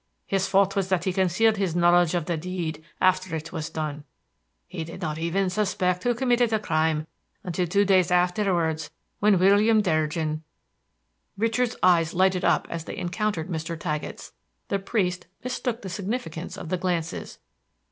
His fault was that he concealed his knowledge of the deed after it was done. He did not even suspect who committed the crime until two days' afterwards, when William Durgin" Richard's eyes lighted up as they encountered Mr. Taggett's. The priest mistook the significance of the glances.